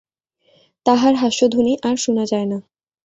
তাহার হাস্যধ্বনি আর শুনা যায় না।